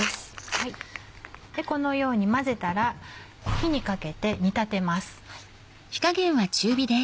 このように混ぜたら火にかけて煮立てます。